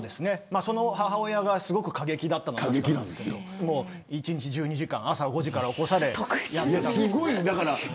その母親がすごく過激だったんですけど１日１２時間、朝５時から起こされて、やっていたんです。